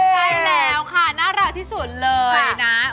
ใช่แล้วค่ะน่ารักที่สุดเลยนะ